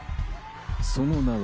その名は。